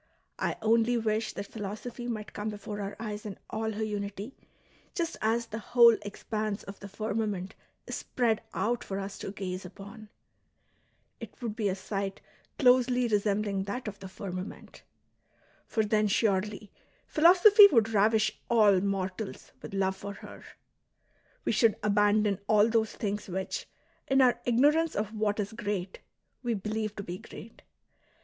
I only wish that philosophy might come before our eyes in all her unity, just as the whole expanse of the firmament is spread out for us to gaze upon ! It would be a sight closely resembling that of the firmament. For then surely philosophy would ravish all mortals with love for her" ; we should abandon all those things which, in our ignorance of what is great, we believe to be great.